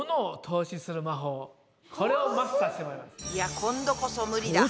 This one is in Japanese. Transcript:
いや今度こそ無理だ。